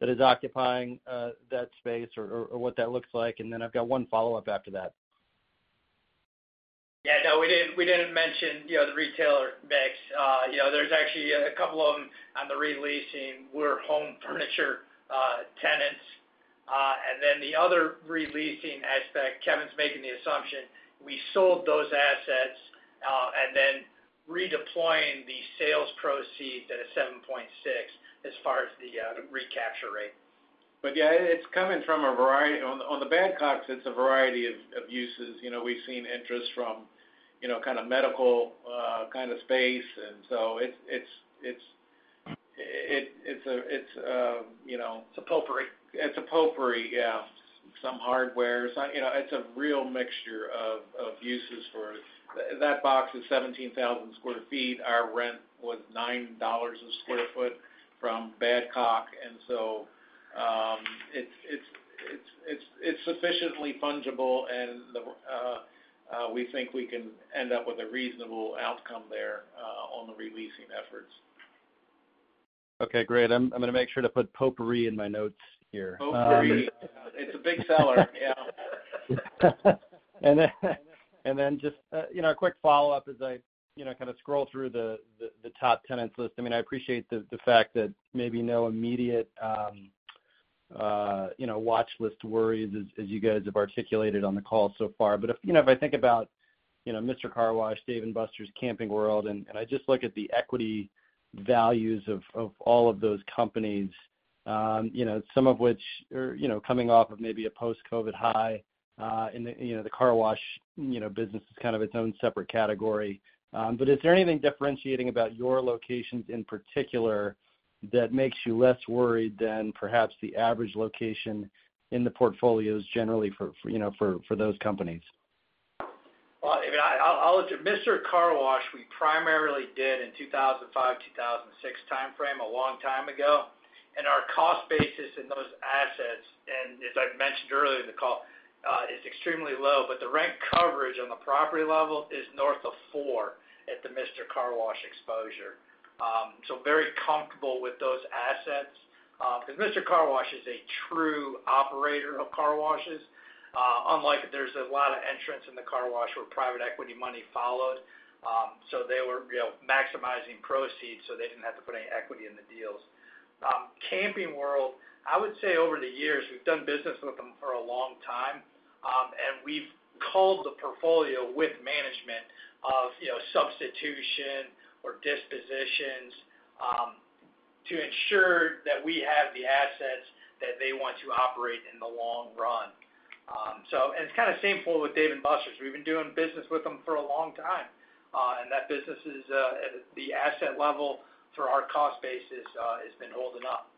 that is occupying that space or what that looks like? And then I've got one follow-up after that. Yeah. No, we didn't mention the retailer mix. There's actually a couple of them on the releasing. We're home furniture tenants. And then the other releasing aspect, Kevin's making the assumption, we sold those assets and then redeploying the sales proceeds at a 7.6% as far as the recapture rate. But yeah, it's coming from a variety on the Badcocks, it's a variety of uses. We've seen interest from kind of medical kind of space, and so it's a plethora. It's a plethora, yeah. Some hardware. It's a real mixture of uses for that box is 17,000 sq ft. Our rent was $9 a sq ft from Badcock, and so it's sufficiently fungible, and we think we can end up with a reasonable outcome there on the releasing efforts. Okay. Great. I'm going to make sure to put potpourri in my notes here. Potpourri. It's a big seller. Yeah. And then just a quick follow-up as I kind of scroll through the top tenants list. I mean, I appreciate the fact that maybe no immediate watch list worries as you guys have articulated on the call so far. But if I think about Mr. Car Wash, Dave & Buster's, Camping World, and I just look at the equity values of all of those companies, some of which are coming off of maybe a post-COVID high, and the car wash business is kind of its own separate category. But is there anything differentiating about your locations in particular that makes you less worried than perhaps the average location in the portfolios generally for those companies? Well, I mean, Mr. Car Wash, we primarily did in 2005, 2006 timeframe, a long time ago. And our cost basis in those assets, and as I've mentioned earlier in the call, is extremely low, but the rent coverage on the property level is north of four at the Mr. Car Wash exposure. So very comfortable with those assets. Because Mr. Car wash is a true operator of car washes. Unlike, there's a lot of entrants in the car wash where private equity money flocked. So they were maximizing proceeds so they didn't have to put any equity in the deals. Camping World, I would say over the years, we've done business with them for a long time, and we've culled the portfolio with management of substitution or dispositions to ensure that we have the assets that they want to operate in the long run. And it's kind of the same as with Dave & Buster's. We've been doing business with them for a long time, and that business is at the asset level, our cost basis has been holding up.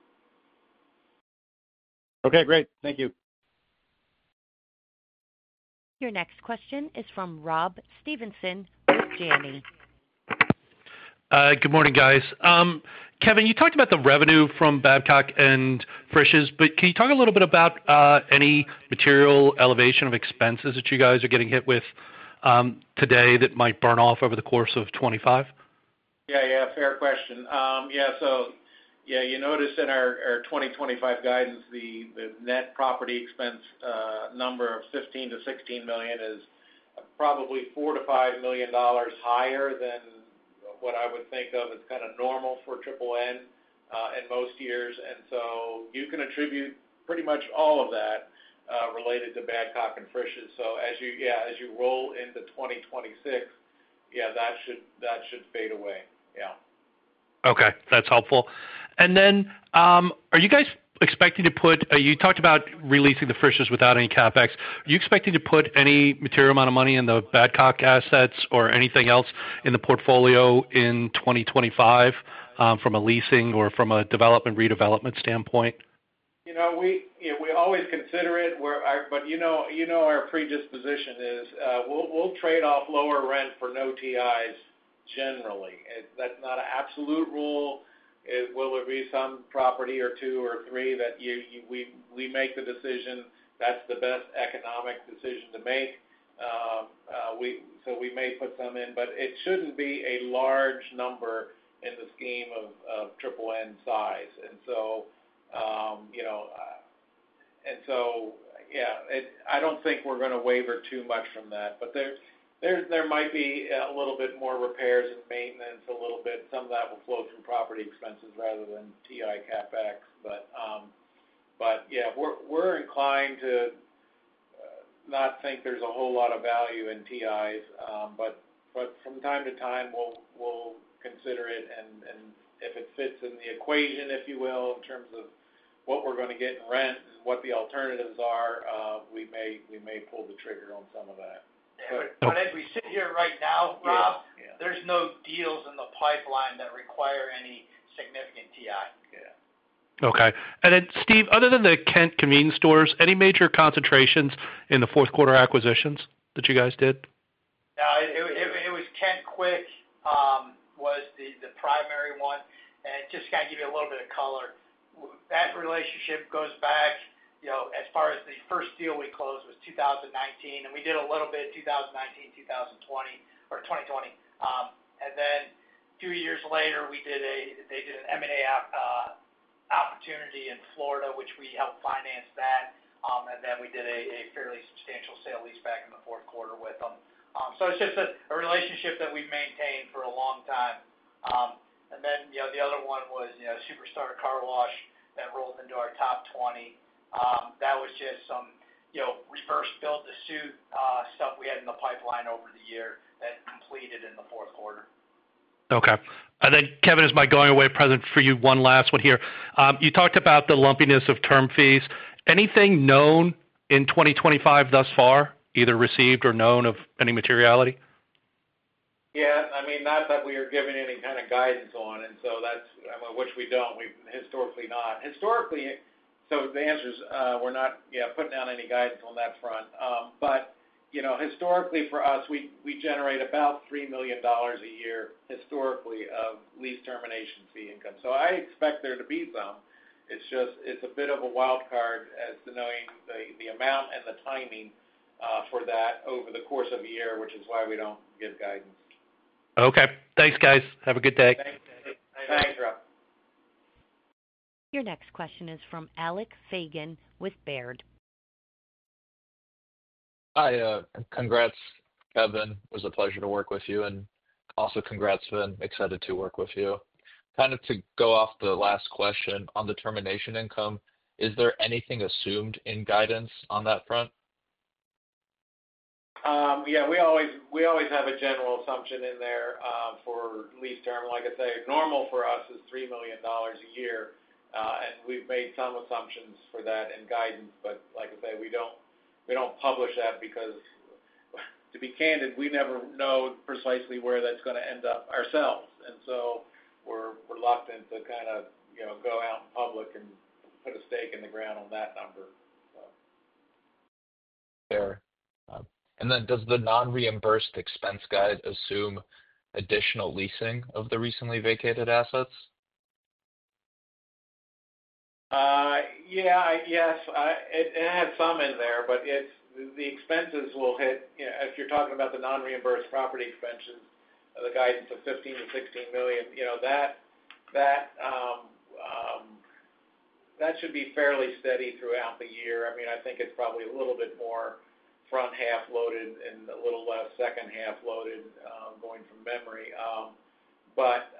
Okay. Great. Thank you. Your next question is from Rob Stevenson with Janney. Good morning, guys. Kevin, you talked about the revenue from Badcock and Frisch's, but can you talk a little bit about any material elevation of expenses that you guys are getting hit with today that might burn off over the course of 2025? Yeah. Yeah. Fair question. Yeah. So yeah, you notice in our 2025 guidance, the net property expense number of $15-16 million is probably $4-5 million higher than what I would think of as kind of normal for triple-net in most years. And so you can attribute pretty much all of that related to Badcock and Frisch's. So yeah, as you roll into 2026, yeah, that should fade away. Yeah. Okay. That's helpful. And then are you guys expecting to put you talked about releasing the Frisch's without any CapEx. Are you expecting to put any material amount of money in the Badcock assets or anything else in the portfolio in 2025 from a leasing or from a development redevelopment standpoint? We always consider it, but you know our predisposition is. We'll trade off lower rent for no TIs generally. That's not an absolute rule. Will there be some property or two or three that we make the decision that's the best economic decision to make? So we may put some in, but it shouldn't be a large number in the scheme of NNN size. And so yeah, I don't think we're going to waver too much from that. But there might be a little bit more repairs and maintenance, a little bit. Some of that will flow through property expenses rather than TI CapEx. But yeah, we're inclined to not think there's a whole lot of value in TI's, but from time to time, we'll consider it. And if it fits in the equation, if you will, in terms of what we're going to get in rent and what the alternatives are, we may pull the trigger on some of that. But as we sit here right now, Rob, there's no deals in the pipeline that require any significant TI. Yeah. Okay. And then, Steve, other than the Kent Kwik stores, any major concentrations in the Q4 acquisitions that you guys did? No, it was Kent Kwik was the primary one. And just to kind of give you a little bit of color, that relationship goes back as far as the first deal we closed was 2019, and we did a little bit 2019, 2020, or 2020. And then two years later, they did an M&A opportunity in Florida, which we helped finance that. And then we did a fairly substantial sale-leaseback in the Q4 with them. So it's just a relationship that we've maintained for a long time. And then the other one was Super Star Car Wash that rolled into our top 20. That was just some reverse build-to-suit stuff we had in the pipeline over the year that completed in the Q4. Okay. And then, Kevin, as my going away present for you, one last one here. You talked about the lumpiness of term fees. Anything known in 2025 thus far, either received or known of any materiality? Yeah. I mean, not that we are giving any kind of guidance on, and so that's I mean, which we don't. We've historically not. Historically, so the answer is we're not, yeah, putting out any guidance on that front. But historically, for us, we generate about $3 million a year historically of lease termination fee income. So I expect there to be some. It's a bit of a wild card as to knowing the amount and the timing for that over the course of a year, which is why we don't give guidance. Okay. Thanks, guys. Have a good day. Thanks, Rob. Your next question is from Alec Feygin with Baird. Hi. Congrats, Kevin. It was a pleasure to work with you, and also congrats, Vin. Excited to work with you. Kind of to go off the last question on the termination income, is there anything assumed in guidance on that front? Yeah. We always have a general assumption in there for lease term. Like I say, normal for us is $3 million a year, and we've made some assumptions for that in guidance. But like I say, we don't publish that because, to be candid, we never know precisely where that's going to end up ourselves. And so we're reluctant to kind of go out in public and put a stake in the ground on that number, so. Fair. And then does the non-reimbursed expense guide assume additional leasing of the recently vacated assets? Yeah. Yes. It had some in there, but the expenses will hit if you're talking about the non-reimbursed property expenses, the guidance of $15 million-$16 million, that should be fairly steady throughout the year. I mean, I think it's probably a little bit more front half loaded and a little less second half loaded going from memory. But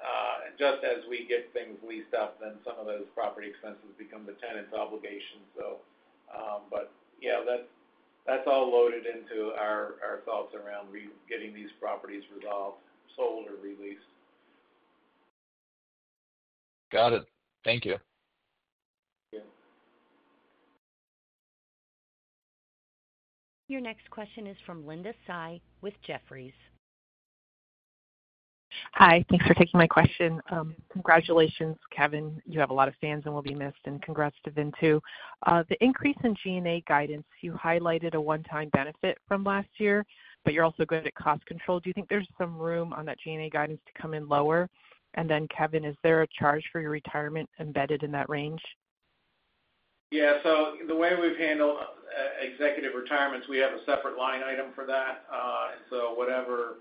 just as we get things leased up, then some of those property expenses become the tenant's obligation. But yeah, that's all loaded into our thoughts around getting these properties resolved, sold, or re-leased. Got it. Thank you. Your next question is from Linda Tsai with Jefferies. Hi. Thanks for taking my question. Congratulations, Kevin. You have a lot of fans and will be missed, and congrats to Vin too. The increase in G&A guidance, you highlighted a one-time benefit from last year, but you're also good at cost control. Do you think there's some room on that G&A guidance to come in lower? And then, Kevin, is there a charge for your retirement embedded in that range? Yeah. So the way we've handled executive retirements, we have a separate line item for that. And so whatever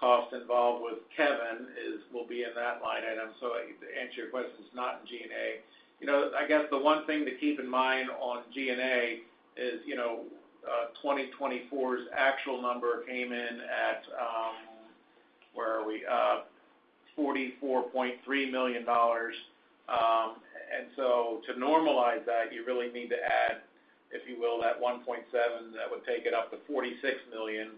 cost involved with Kevin will be in that line item. To answer your question, it's not in G&A. I guess the one thing to keep in mind on G&A is 2024's actual number came in at, where are we? $44.3 million. And so to normalize that, you really need to add, if you will, that $1.7 million that would take it up to $46 million.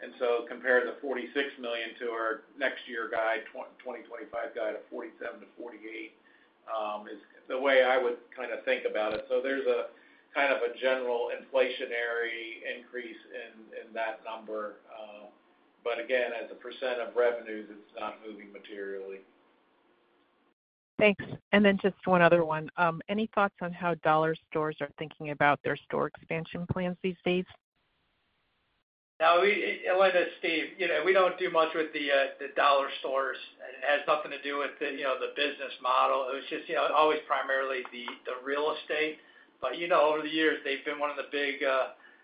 And so compare the $46 million to our next year guide, 2025 guide of $47-$48 million is the way I would kind of think about it. So there's kind of a general inflationary increase in that number. But again, as a percent of revenues, it's not moving materially. Thanks. And then just one other one. Any thoughts on how dollar stores are thinking about their store expansion plans these days? No. Like I said, Steve, we don't do much with the dollar stores. It has nothing to do with the business model. It was just always primarily the real estate. But over the years, they've been one of the big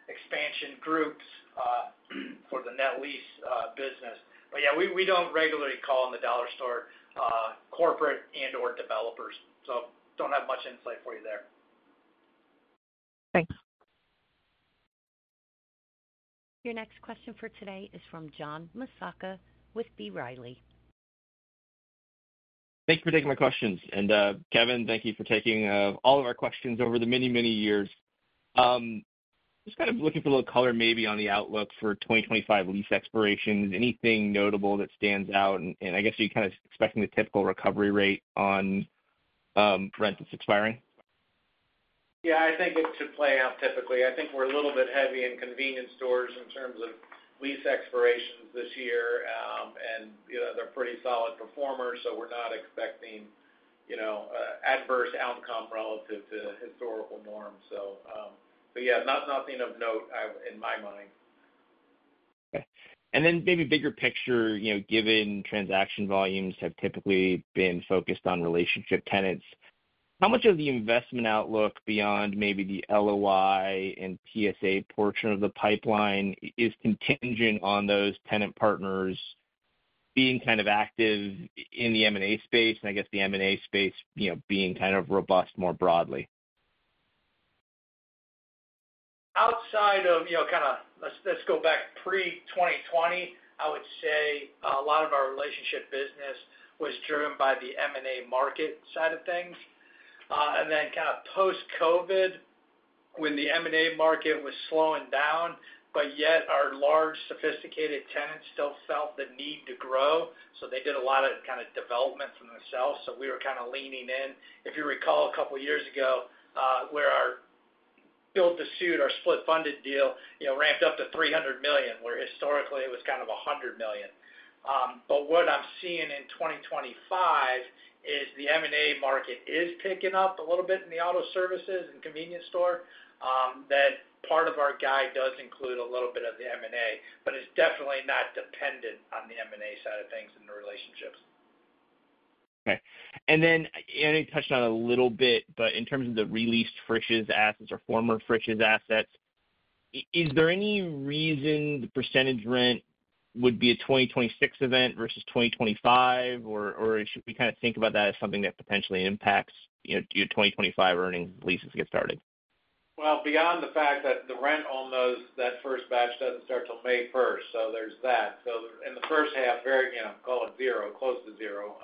expansion groups for the net lease business. But yeah, we don't regularly call in the dollar store corporate and/or developers. So don't have much insight for you there. Thanks. Your next question for today is from John Massocca with B. Riley. Thank you for taking my questions. And Kevin, thank you for taking all of our questions over the many, many years. Just kind of looking for a little color maybe on the outlook for 2025 lease expirations. Anything notable that stands out? And I guess you're kind of expecting the typical recovery rate on rent that's expiring. Yeah. I think it should play out typically. I think we're a little bit heavy in convenience stores in terms of lease expirations this year, and they're pretty solid performers. So we're not expecting adverse outcome relative to historical norms. So yeah, nothing of note in my mind. Okay. And then maybe bigger picture, given transaction volumes have typically been focused on relationship tenants, how much of the investment outlook beyond maybe the LOI and PSA portion of the pipeline is contingent on those tenant partners being kind of active in the M&A space? And I guess the M&A space being kind of robust more broadly. Outside of kind of let's go back pre-2020, I would say a lot of our relationship business was driven by the M&A market side of things. And then kind of post-COVID, when the M&A market was slowing down, but yet our large sophisticated tenants still felt the need to grow. So they did a lot of kind of development for themselves. So we were kind of leaning in. If you recall a couple of years ago where our build-to-suit, our split-funded deal ramped up to $300 million, where historically it was kind of $100 million. But what I'm seeing in 2025 is the M&A market is picking up a little bit in the auto services and convenience store. That part of our guide does include a little bit of the M&A, but it's definitely not dependent on the M&A side of things and the relationships. Okay. And then you touched on a little bit, but in terms of the released Frisch's assets or former Frisch's assets, is there any reason the percentage rent would be a 2026 event versus 2025? Or should we kind of think about that as something that potentially impacts your 2025 earnings leases get started? Well, beyond the fact that the rent on that first batch doesn't start till May 1st. So there's that. So in the first half, call it zero, close to zero.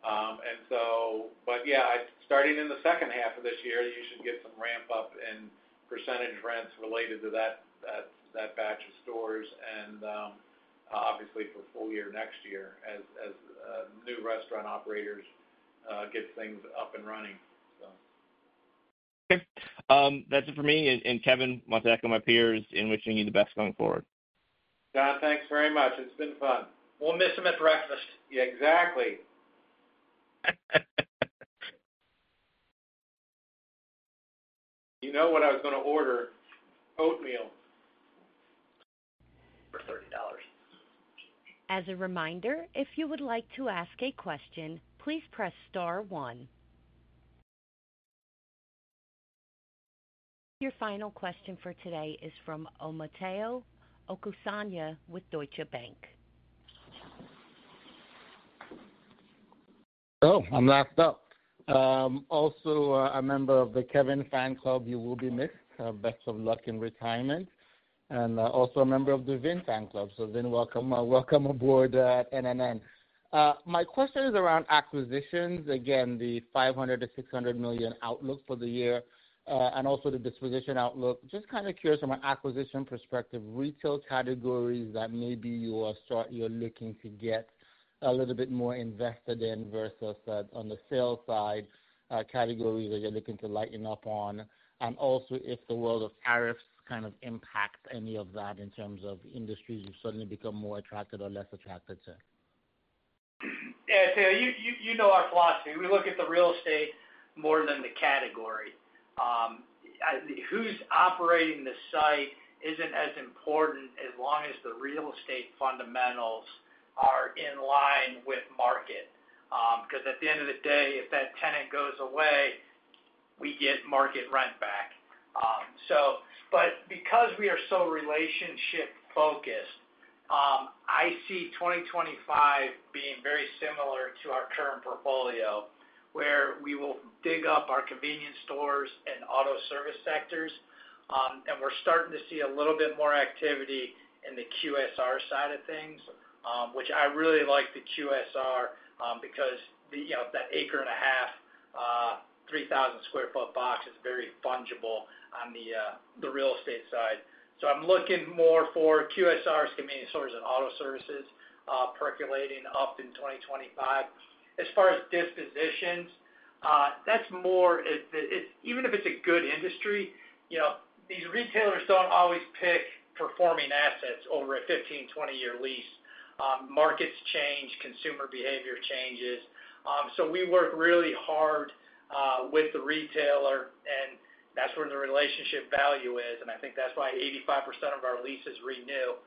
And so, but yeah, starting in the second half of this year, you should get some ramp-up in percentage rents related to that batch of stores. And obviously, for full year next year as new restaurant operators get things up and running, so. Okay. That's it for me. And Kevin, Massocca, my peers, wishing you the best going forward. John, thanks very much. It's been fun. We'll miss him at breakfast. Yeah, exactly. You know what I was going to order? Oatmeal for $30. As a reminder, if you would like to ask a question, please press star one. Your final question for today is from Omotayo Okusanya with Deutsche Bank. Oh, I'm locked up. Also, a member of the Kevin Fan Club, you will be missed. Best of luck in retirement. And also a member of the Vin Fan Club. So Vin, welcome aboard at NNN. My question is around acquisitions. Again, the $500-$600 million outlook for the year and also the disposition outlook. Just kind of curious from an acquisition perspective, retail categories that maybe you are looking to get a little bit more invested in versus on the sale side categories that you're looking to lighten up on. And also if the world of tariffs kind of impact any of that in terms of industries you've suddenly become more attracted or less attracted to. Yeah. You know our philosophy. We look at the real estate more than the category. Who's operating the site isn't as important as long as the real estate fundamentals are in line with market. Because at the end of the day, if that tenant goes away, we get market rent back. But because we are so relationship-focused, I see 2025 being very similar to our current portfolio where we will dig up our convenience stores and auto service sectors. And we're starting to see a little bit more activity in the QSR side of things, which I really like the QSR because that acre and a half, 3,000 sq ft box is very fungible on the real estate side. So I'm looking more for QSRs, convenience stores, and auto services percolating up in 2025. As far as dispositions, that's more even if it's a good industry, these retailers don't always pick performing assets over a 15-20-year lease. Markets change. Consumer behavior changes. So we work really hard with the retailer, and that's where the relationship value is. And I think that's why 85% of our leases renew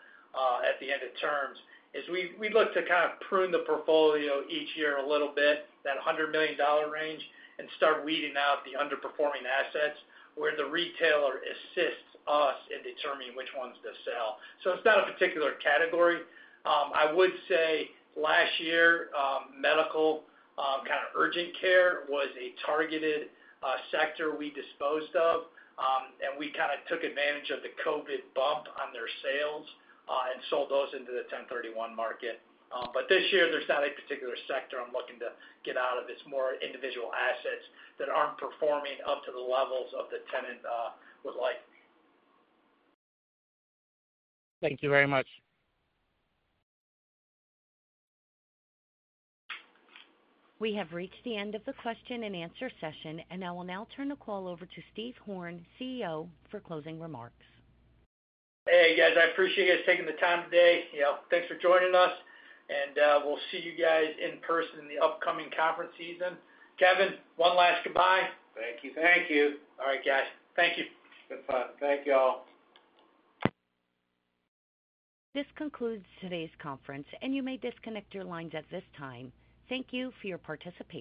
at the end of terms is we look to kind of prune the portfolio each year a little bit, that $100 million range, and start weeding out the underperforming assets where the retailer assists us in determining which ones to sell. So it's not a particular category. I would say last year, medical kind of urgent care was a targeted sector we disposed of. And we kind of took advantage of the COVID bump on their sales and sold those into the 1031 market. But this year, there's not a particular sector I'm looking to get out of. It's more individual assets that aren't performing up to the levels of the tenant would like. Thank you very much. We have reached the end of the question and answer session, and I will now turn the call over to Steve Horn, CEO, for closing remarks. Hey, guys. I appreciate you taking the time today. Thanks for joining us, and we'll see you guys in person in the upcoming conference season. Kevin, one last goodbye. Thank you. Thank you. All right, guys. Thank you. Good fun. Thank you all. This concludes today's conference, and you may disconnect your lines at this time. Thank you for your participation.